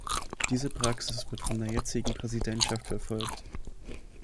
Diese Praxis wird von der jetzigen Präsidentschaft verfolgt.